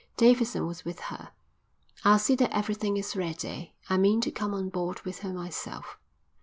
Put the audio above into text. Davidson was with her. "I'll see that everything is ready. I mean to come on board with her myself."